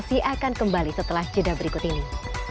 selain pelantikan juga akan ada pelantikan